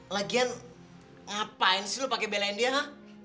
lagian ngapain sih lo pake belain dia ha